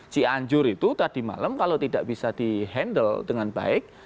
cianjur itu tadi malam kalau tidak bisa di handle dengan baik